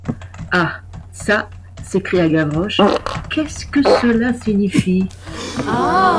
Ah çà, s’écria Gavroche, qu’est-ce que cela signifie?